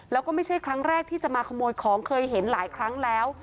แล้วก็ไม่ใช่ครั้งแรกที่จะมาขโมยของเคยเห็นหลายครั้งแล้ว